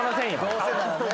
どうせならね。